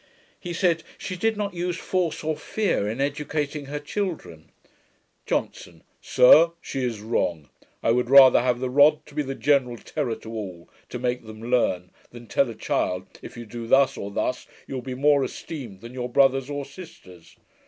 He said, she did not use force or fear in educating her children. JOHNSON. 'Sir, she is wrong; I would rather have the rod to be the general terror to all, to make them learn, than tell a child, if you do thus or thus, you will be more esteemed than your brothers or sisters.